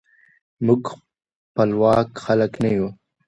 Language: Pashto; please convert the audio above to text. موږ خپواک خلک نه یو.